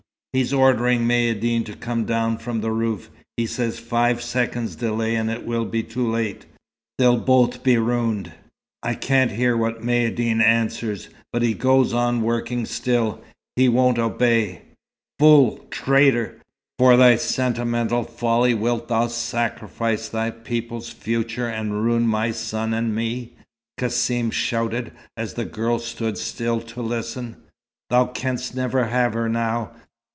"He's ordering Maïeddine to come down from the roof. He says five seconds' delay and it will be too late they'll both be ruined. I can't hear what Maïeddine answers. But he goes on working still he won't obey." "Fool traitor! For thy sentimental folly wilt thou sacrifice thy people's future and ruin my son and me?" Cassim shouted, as the girl stood still to listen. "Thou canst never have her now.